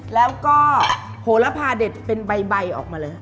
แล้วก็โหระพาเด็ดเป็นใบออกมาเลย